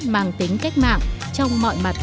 mang tính cách mạng trong mọi mặt